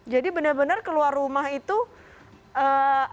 jadi benar benar keluar rumah itu apakah harus ada surat